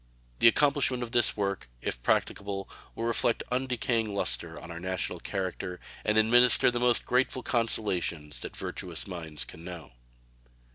The accomplishment of this work, if practicable, will reflect undecaying luster on our national character and administer the most grateful consolations that virtuous minds can know.